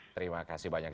terima kasih banyak